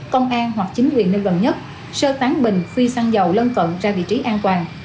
công an hoặc chính quyền nơi gần nhất sơ tán bình phi xăng dầu lân cận ra vị trí an toàn